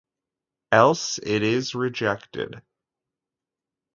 Else it is rejected.